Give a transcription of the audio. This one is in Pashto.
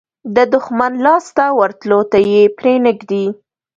د دښمن لاس ته ورتلو ته یې پرې نه ږدي.